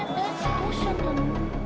どうしちゃったの？